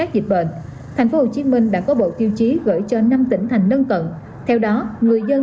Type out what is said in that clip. dịch bệnh thành phố hồ chí minh đã có bộ tiêu chí gửi cho năm tỉnh thành nâng cận theo đó người dân